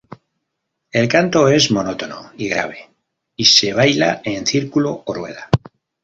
El canto es monótono y grave, y se baila en círculo o rueda.